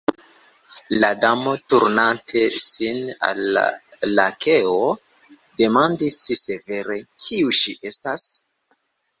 La Damo, turnante sin al la Lakeo, demandis severe: "Kiu ŝi estas?"